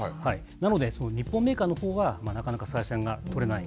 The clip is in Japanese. なので、日本メーカーのほうは、なかなか採算が取れない。